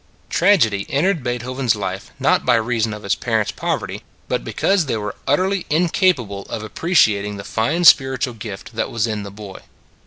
Tragedy entered Beethoven s life not by reason of his parents poverty, but because they were utterly incapable of appreciat ing the fine spiritual gift that was in the boy.